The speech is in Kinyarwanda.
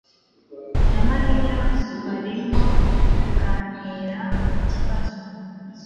na Mariya ubu barimo kuganira ku kibazo